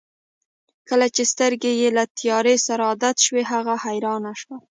کله چې سترګې یې له تیارې سره عادت شوې هغه حیران شو.